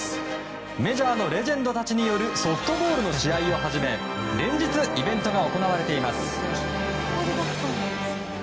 メジャーのレジェンドたちによるソフトボールの試合をはじめ連日イベントが行われています。